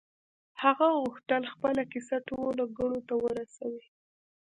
هغه غوښتل خپله کيسه ټولو کڼو ته ورسوي.